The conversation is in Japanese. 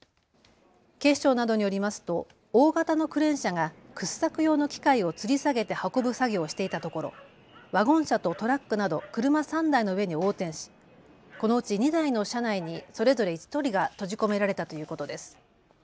警視庁などによりますと大型のクレーン車がくっの機械をつり下げて運ぶ作業をしていたところワゴン車とトラックなど車３台の上に横転し、このうち２台の車内にそれぞれ１人が閉じ込められたということです。